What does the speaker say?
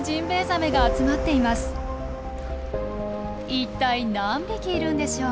一体何匹いるんでしょう？